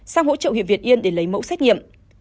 sang hỗ trợ huyện việt yên để lấy mẫu xét nghiệm